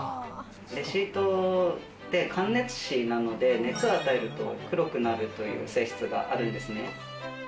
レシートって、感熱紙なので、熱を与えると黒くなるという性質があるんですね。